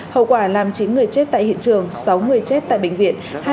hậu quả làm chín người chết tại hiện trường sáu người chết tại bệnh viện